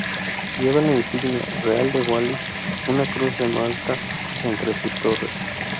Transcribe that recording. Lleva la insignia real de Wallis, una cruz de Malta entre sus torres.